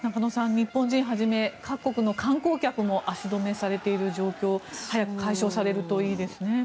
日本人はじめ、各国の観光客も足止めされている状況早く解消されるといいですね。